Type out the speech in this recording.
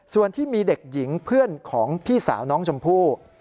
ส่วนที่มีเด็กหญิงเพื่อนของพี่สาวน้องชมพู่